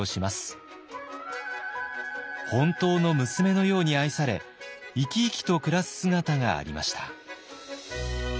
本当の娘のように愛され生き生きと暮らす姿がありました。